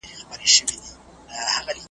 محتسبه جنتي ستا دي روزي سي .